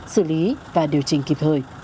xử lý và điều chỉnh kịp thời